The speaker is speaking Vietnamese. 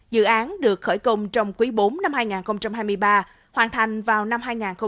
dự án được khởi công trong quý bốn năm hai nghìn hai mươi ba hoàn thành vào năm hai nghìn hai mươi